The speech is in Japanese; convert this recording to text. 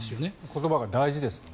言葉が大事ですよね。